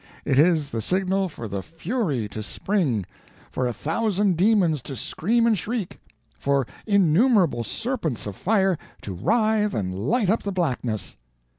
It is the signal for the Fury to spring—for a thousand demons to scream and shriek—for innumerable serpents of fire to writhe and light up the blackness.